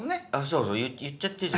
そうそう言っちゃってる。